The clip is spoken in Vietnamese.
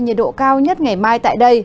nhiệt độ cao nhất ngày mai tại đây